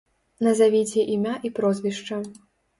Назавіце імя і прозвішча.